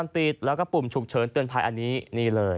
ถูกเฉินเตือนภายอันนี้นี่เลย